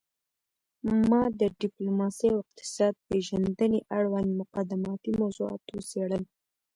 ما د ډیپلوماسي او اقتصاد پیژندنې اړوند مقدماتي موضوعات وڅیړل